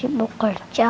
aku mau ke rumah